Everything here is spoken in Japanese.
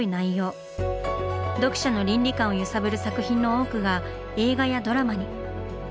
読者の倫理観を揺さぶる作品の多くが映画やドラマに。